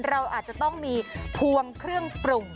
เราอาจจะต้องมีพวงเครื่องปรุง